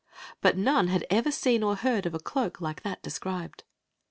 But none had ever seen or heard of a cloak like that described.